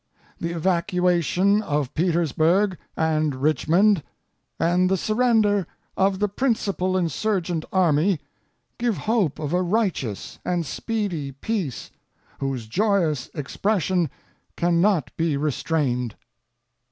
The evacuation of Petersburg and Richmond, and the surrender of the principal insurgent army, give hope of a righteous and speedy peace whose joyous expression can not be restrained.